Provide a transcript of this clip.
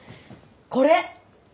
これ！